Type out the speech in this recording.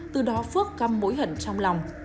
từ đó phước căm mối hận trong lòng